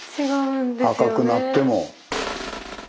赤くなっても。